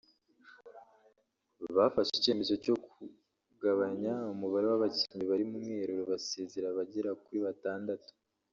bafashe icyemezo cyo kugabanya umubare w’abakinnyi bari mu mwiherero basezerera abagera kuri batandatu